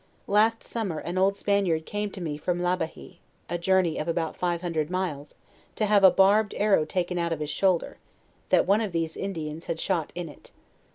Last summer an old Spaniard came to me from Labahie, a. journey of about five hundred miles, to have a barbed arrow taken out of his shoulder, that one of these Indians had shot in it.